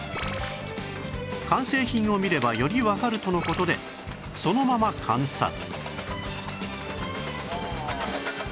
完成品を見ればよりわかるとの事でそのまま観察